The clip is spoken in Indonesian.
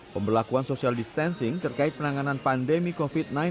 pembelakuan social distancing terkait penanganan pandemi covid sembilan belas